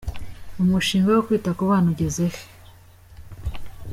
Umushinga wo kwita kubana ugeze he